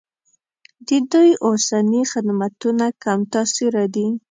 د دوی اوسني خدمتونه کم تاثیره دي.